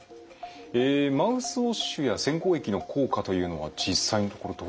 えマウスウォッシュや洗口液の効果というのは実際にこれどうですか？